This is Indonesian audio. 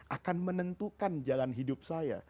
akan menentukan jalan hidup saya